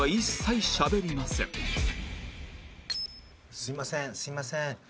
「すみませんすみません」。